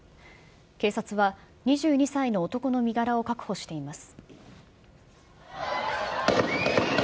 警察は、２２歳の男の身柄を確保しています。